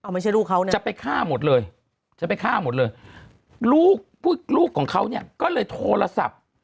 ไม่ใช่ลูกเขานะจะไปฆ่าหมดเลยจะไปฆ่าหมดเลยลูกพวกลูกของเขาเนี่ยก็เลยโทรศัพท์